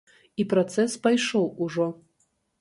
І працэс пайшоў ўжо.